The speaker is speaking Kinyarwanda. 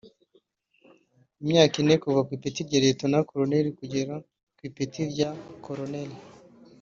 imyaka ine kuva ku ipeti rya Liyetona Koloneli kugera ku ipeti rya Koloneli